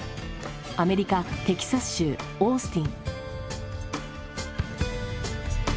アメリカテキサス州オースティン。